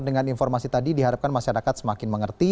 dengan informasi tadi diharapkan masyarakat semakin mengerti